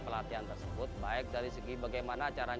melupas semua perinduan